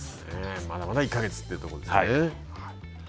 まだまだ１か月というところですね。